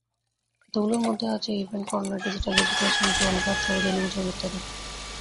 এগুলোর মধ্যে আছে event corner, digital education zone, virtual gaming zone ইত্যাদি।